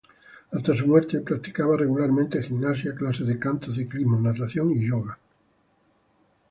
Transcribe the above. Hasta su muerte, practicaba regularmente gimnasia, clases de canto, ciclismo, natación y yoga.